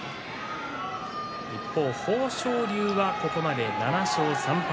一方、豊昇龍はここまで７勝３敗。